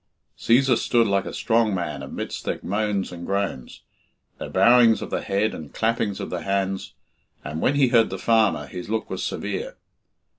Cæsar stood like a strong man amidst their moans and groans, their bowings of the head and clappings of the hands, and, when he heard the farmer, his look was severe.